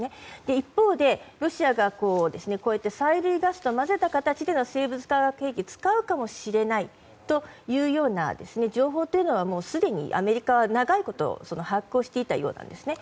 一方でロシアが催涙ガスと混ぜた形での生物・化学兵器を使うかもしれないというような情報はすでにアメリカは長いこと把握をしていたようなんですね。